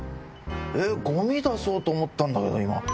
えっ、ごみ出そうと思ったんだけど、今。